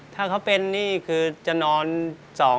ถ้าเขาเป็นนี่คือจะนอน